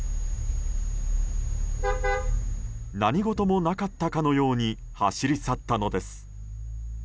何事もなかったかのように走り去ったのです。